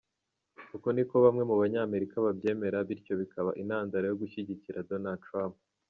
Uku niko bamwe mu banyamerika babyemera, bityo bikaba intandaro yo gushyigikira Donald Trump.